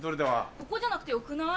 ここじゃなくてよくない？